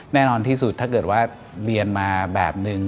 แน่นอนที่สุดถ้าเกิดว่าเรียนมาแบบนึง